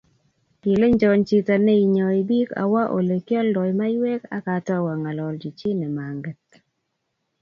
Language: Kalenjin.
Kilenjo chita neinyoi biik awa ole kioldoi maiywek akatau angololji chi nimanget